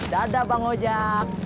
dadah bang ojek